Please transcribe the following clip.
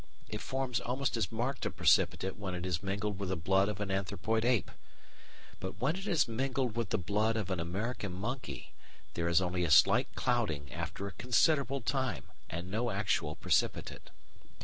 It forms almost as marked a precipitate when it is mingled with the blood of an anthropoid ape. But when it is mingled with the blood of an American monkey there is only a slight clouding after a considerable time and no actual precipitate.